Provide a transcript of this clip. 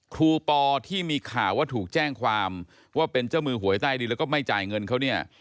ครูปอที่มีข่าวว่าถูกแจ้งความว่าเป็นเจ้ามือหวยใต้ดินแล้วก็ไม่จ่ายเงินเขาเนี่ย